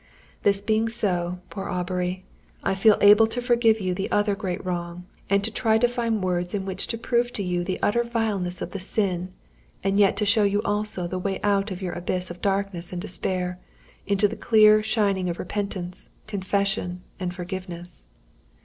"This being so, poor Aubrey, I feel able to forgive you the other great wrong, and to try to find words in which to prove to you the utter vileness of the sin, and yet to show you also the way out of your abyss of darkness and despair, into the clear shining of repentance, confession, and forgiveness.